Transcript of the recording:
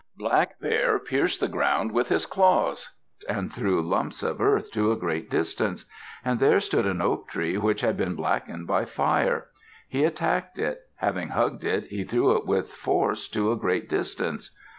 Black Bear pierced the ground with his claws, and threw lumps of earth to a great distance. And there stood an oak tree which had been blackened by fire. He attacked it. Having hugged it, he threw it with force to a great distance.